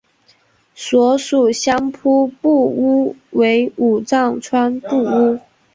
所属相扑部屋为武藏川部屋。